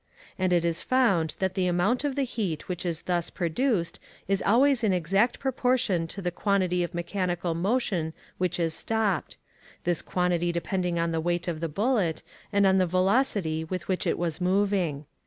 And it is found that the amount of the heat which is thus produced is always in exact proportion to the quantity of mechanical motion which is stopped; this quantity depending on the weight of the bullet, and on the velocity with which it was moving.